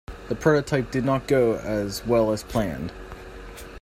The prototype did not go as well as planned.